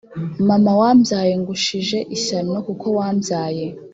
Mama wambyaye ngushije ishyano kuko wambyaye